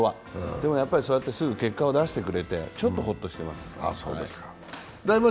でもそうやってすぐ結果を出してくれてちょっとほっとしてます。